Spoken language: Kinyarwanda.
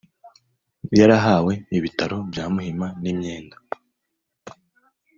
yarahawe Ibitaro bya Muhima n imyenda